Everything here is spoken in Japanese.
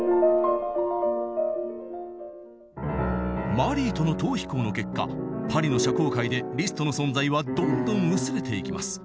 マリーとの逃避行の結果パリの社交界でリストの存在はどんどん薄れていきます。